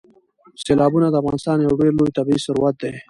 سیلابونه د افغانستان یو ډېر لوی طبعي ثروت دی.